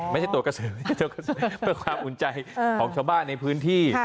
ไม่ใช่ตัวกระสือเพื่อความอุ่นใจของชาวบ้านในพื้นที่